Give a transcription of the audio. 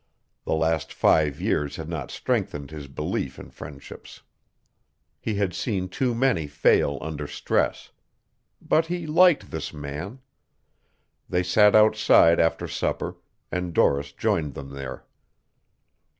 The last five years had not strengthened his belief in friendships. He had seen too many fail under stress. But he liked this man. They sat outside after supper and Doris joined them there.